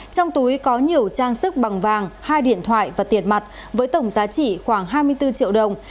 trong túi có nhiều trang sức bằng vàng hai điện thoại và tiền mặt với tổng giá trị khoảng hai mươi bốn triệu đồng